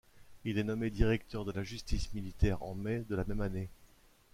Il est nommé directeur de la Justice militaire en mai de la même année.